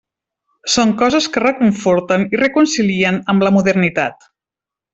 Són coses que reconforten i reconcilien amb la modernitat.